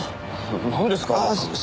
なんですか？